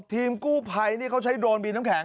ทีมกู้ไพนี่เขาใช้โดรนบินแถมแข็ง